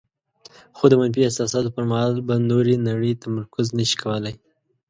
خو د منفي احساساتو پر مهال په نورې نړۍ تمرکز نشي کولای.